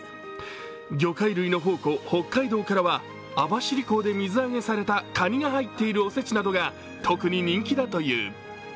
魚介類の宝庫・北海道からは網走湖で水揚げされたかにが入ったお節などが特に人気だという。